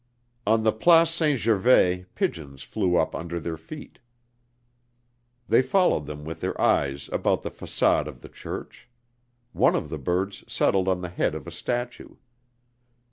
On the Place Saint Gervais pigeons flew up under their feet. They followed them with their eyes about the façade of the church; one of the birds settled on the head of a statue.